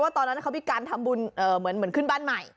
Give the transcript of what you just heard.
ตอนนั้นเขามีการทำบุญเหมือนขึ้นบ้านใหม่